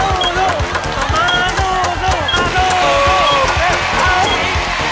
เอาอีก